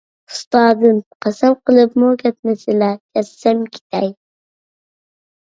ئۇستازىم، قەسەم قىلىپمۇ كەتمىسىلە، كەتسەم كېتەي.